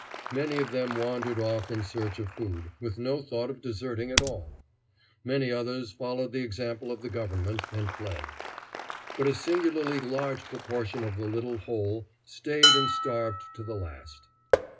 Many of them wandered off in search of food, with no thought of deserting at all. Many others followed the example of the government, and fled; but a singularly large proportion of the little whole stayed and starved to the last.